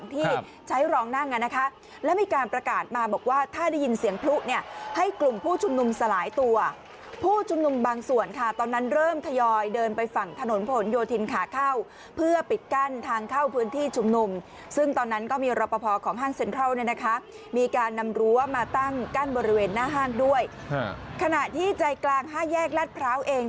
ตั้งกั้นบริเวณหน้าห้างด้วยฮะขณะที่ใจกลางห้าแยกรัดพร้าวเอง